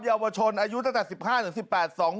เยาวชนอายุตั้งแต่๑๕ถึง๑๘